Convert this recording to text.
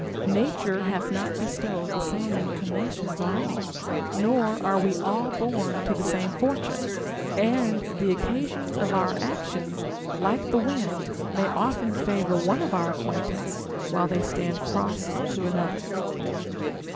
Nature hath not bestowed the same inclinations on all, nor are we all born to the same fortune ; and the occasions of our actions, like the wind, may often favor one of our acquaintance Avhile they stand cross to another.